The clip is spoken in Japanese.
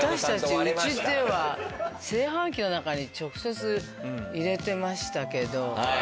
うちでは炊飯器の中に直接入れてましたけど。